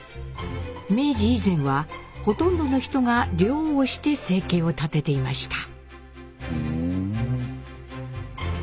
明治以前はほとんどの人が漁をして生計を立てていました。